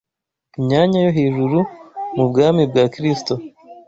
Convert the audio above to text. imyanya yo hejuru mu bwami bwa Kristo